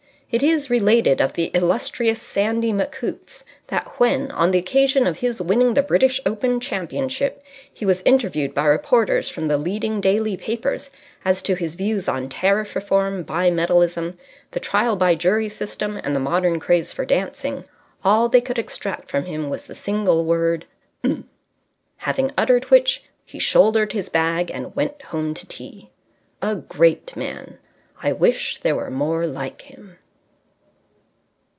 It is related of the illustrious Sandy McHoots that when, on the occasion of his winning the British Open Championship, he was interviewed by reporters from the leading daily papers as to his views on Tariff Reform, Bimetallism, the Trial by Jury System, and the Modern Craze for Dancing, all they could extract from him was the single word "Mphm!" Having uttered which, he shouldered his bag and went home to tea. A great man. I wish there were more like him.